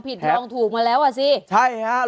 รองผิดรองถูกมาแล้วอ่ะสิใช่ครับรองผิด